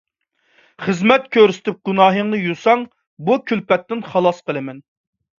خىزمەت كۆرسىتىپ گۇناھىڭنى يۇساڭ، بۇ كۈلپەتتىن خالاس قىلىمەن.